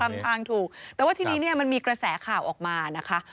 ทำทางถูกแต่ว่าทีนี้เนี่ยมันมีกระแสข่าวออกมานะคะ